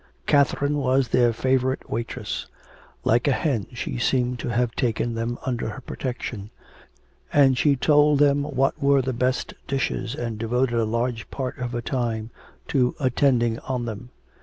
Catherine was their favourite waitress. Like a hen she seemed to have taken them under her protection. And she told them what were the best dishes, and devoted a large part of her time to attending on them.